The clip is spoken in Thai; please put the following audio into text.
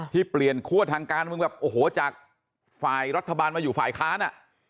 ที่เปลี่ยนคั่วทางการเมืองแบบโอ้โหจากฝ่ายรัฐบาลมาอยู่ฝ่ายค้านอ่ะ